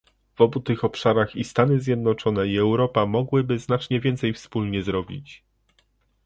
W obu tych obszarach i Stany Zjednoczone i Europa mogłyby znacznie więcej wspólnie zrobić